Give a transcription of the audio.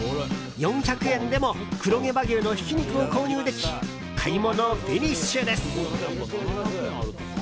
４００円でも黒毛和牛のひき肉を購入でき買い物フィニッシュです。